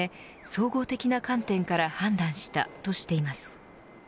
総合的な観点から判断したとしています。